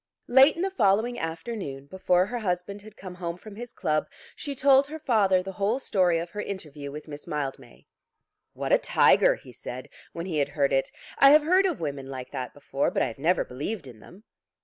Late in the following afternoon, before her husband had come home from his club, she told her father the whole story of her interview with Miss Mildmay. "What a tiger," he said, when he had heard it. "I have heard of women like that before, but I have never believed in them."